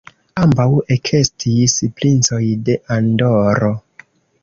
Ambaŭ ekestis princoj de Andoro.